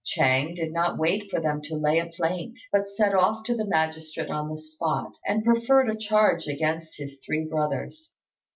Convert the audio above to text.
Ch'êng did not wait for them to lay a plaint, but set off to the magistrate on the spot, and preferred a charge against his three brothers.